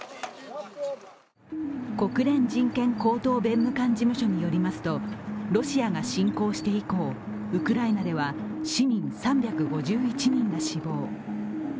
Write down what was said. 国連人権高等弁務官事務所によりますとロシアが侵攻して以降ウクライナでは市民３５１人が死亡。